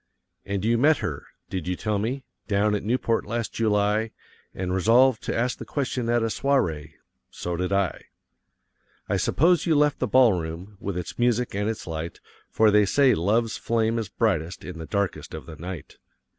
And you met her did you tell me down at Newport, last July, and resolved to ask the question at a soirée? So did I. I suppose you left the ball room, with its music and its light; for they say love's flame is brightest in the darkness of the night.